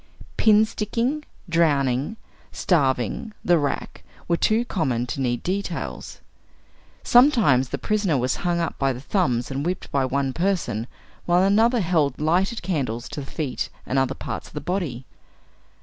Pin sticking, drowning, starving, the rack, were too common to need details. Sometimes the prisoner was hung up by the thumbs, and whipped by one person, while another held lighted candles to the feet and other parts of the body.